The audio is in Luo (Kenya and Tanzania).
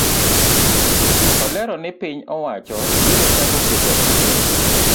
Olero ni piny owacho biro chako keto etim